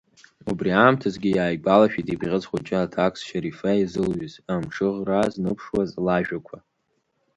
Убри аамҭазгьы иааигәалашәеит ибӷьыц хәыҷы аҭакс Шьарифа изылҩыз, амҽыӷра зныԥшуаз лажәақәа.